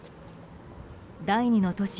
第２の都市